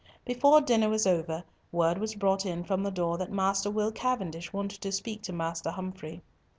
Before dinner was over, word was brought in from the door that Master Will Cavendish wanted to speak to Master Humfrey.